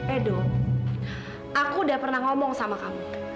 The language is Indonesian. edo aku udah pernah ngomong sama kamu